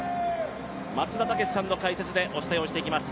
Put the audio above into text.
松田丈志さんの解説でお伝えしていきます。